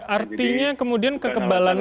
artinya kemudian kekebalan